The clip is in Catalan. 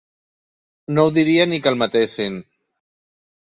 No ho diria ni que el matessin.